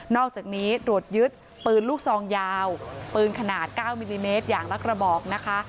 อกจากนี้ตรวจยึดปืนลูกซองยาวปืนขนาด๙มิลลิเมตรอย่างละกระบอกนะคะ